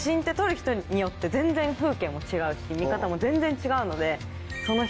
全然風景も違うし見方も全然違うので。